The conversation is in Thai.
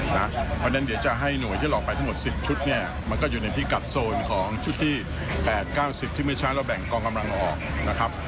เพราะฉะนั้นเดี๋ยวจะให้หน่วยที่เราออกไปทั้งหมดสิบชุดเนี้ยมันก็อยู่ในที่กัดโซนของชุดที่แปดเก้าสิบที่ไม่ช้าแล้วแบ่งกองกำลังออกนะครับ